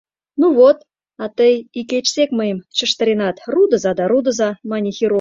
— Ну вот, а тый икечсек мыйым чыштыренат: рудыза да рудыза, — мане хирург.